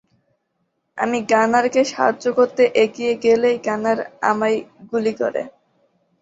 আমি গানারকে সাহায্য করতে এগিয়ে গেলেই গানার আমায় গুলি করে।